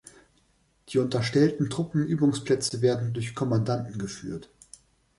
Die unterstellten Truppenübungsplätze werden durch Kommandanten geführt.